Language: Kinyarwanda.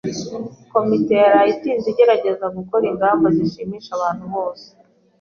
Komite yaraye itinze igerageza gukora ingamba zishimisha abantu bose.